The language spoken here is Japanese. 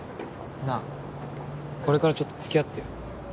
なあこれからちょっとつきあってよ。